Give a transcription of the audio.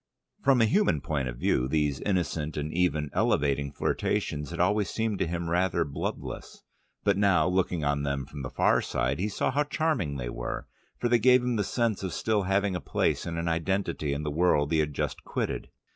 From a human point of view these innocent and even elevating flirtations had always seemed to him rather bloodless; but now, looking on them from the far side, he saw how charming they were, for they gave him the sense of still having a place and an identity in the world he had just quitted.